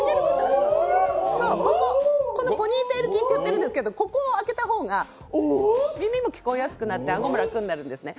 このポニーテール筋って言ってるんですけどここを上げた方が耳も聞こえやすくなって顎も楽になるんですね。